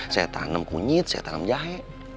saya tanam kunyit saya tanam jahe